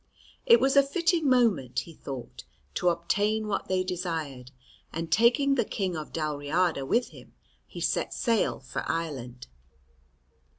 It was a fitting moment, he thought, to obtain what they desired; and taking the King of Dalriada with him he set sail for Ireland.